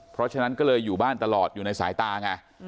เพราะฉะนั้นก็เลยอยู่บ้านตลอดอยู่ในสายตาไง